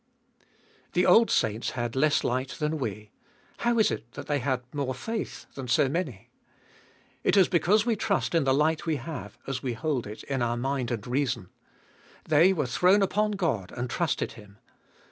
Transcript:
7. The old saints had less light than we— how is it they had more faith than so many ? It Is because we trust in the light we have, as we hold it in our mind and reason. They were thrown upon God and trusted Him.